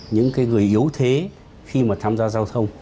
những người yếu thế khi mà tham gia giao thông